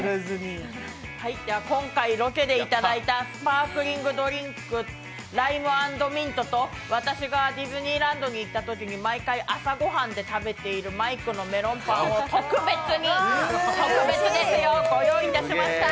今回、ロケでいただいたスパークリングドリンクライム＆ミントと私がディズニーランドに行ったときに毎回、朝御飯で食べているマイクのメロンパンを特別に、特別ですよご用意いたしました。